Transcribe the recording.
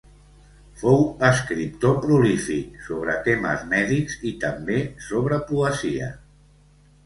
Fou escriptor prolífic sobre temes mèdics i també sobre poesia.